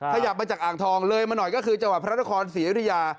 ขยับมาจากอ่างทองเลยมาหน่อยก็คือจังหวัดพระนครศรีอยุธยา